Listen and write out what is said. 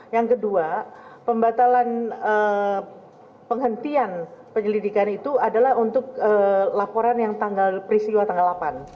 yang kedua pembatalan penghentian penyelidikan itu adalah untuk laporan yang tanggal peristiwa tanggal delapan